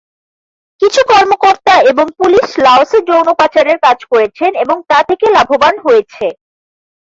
কিছু কর্মকর্তা এবং পুলিশ লাওসে যৌন পাচারের কাজ করেছেন এবং তা থেকে লাভবান হয়েছে।